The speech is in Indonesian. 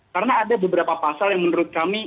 karena ada beberapa pasal yang menurut kami